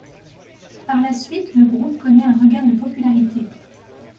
Par la suite le groupe connait un regain de popularité.